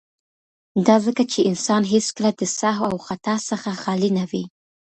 ، دا ځکه چې انسان هيڅکله د سهو او خطا څخه خالي نه وي.